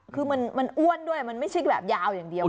คือมันอ้วนด้วยมันไม่ใช่แบบยาวอย่างเดียว